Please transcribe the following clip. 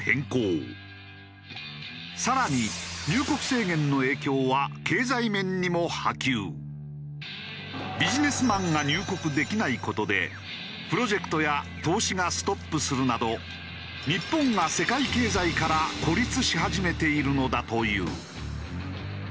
更に入国制限の影響はビジネスマンが入国できない事でプロジェクトや投資がストップするなど日本が世界経済から孤立し始めているのだという。